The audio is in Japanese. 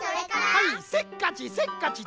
はいせっかちせっかち